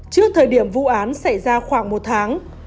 trước thời điểm vụ án xảy ra khoảng một tháng